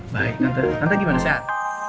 baik tante tante gimana sehat